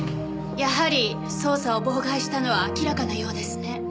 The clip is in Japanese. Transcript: やはり捜査を妨害したのは明らかなようですね。